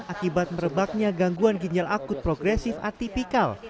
akibat merebaknya gangguan ginjal akut progresif atipikal